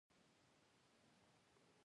يوه له رنګه تور سړي وويل: صېب!